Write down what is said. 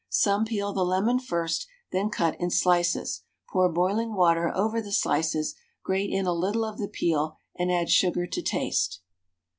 Some peel the lemon first, then cut in slices, pour boiling water over the slices, grate in a little of the peel, and add sugar to taste.